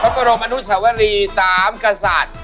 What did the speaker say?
พระประโรมมนุษย์ชาวรีตามกษัตริย์